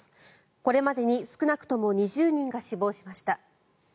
これまでに少なくとも２０人が死亡しました。